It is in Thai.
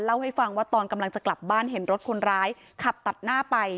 เล่าให้ฟังว่าตอนกำลังจะกลับบ้านเห็นรถคนร้ายขับตัดหน้าไป